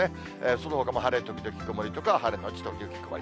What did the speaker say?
そのほかも晴れ時々曇りとか、晴れ後時々曇り。